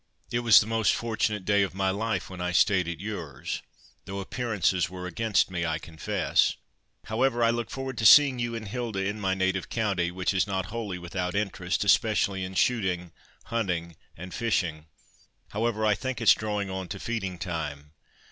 "It was the most fortunate day of my life when I stayed at yours, though appearances were against me, I confess. However, I look forward to seeing you and Hilda in my native county, which is not wholly without interest, especially in shooting, hunting, and fishing. However, I think it's drawing on to feeding time.